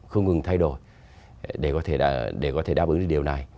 không ngừng thay đổi để có thể đáp ứng được điều này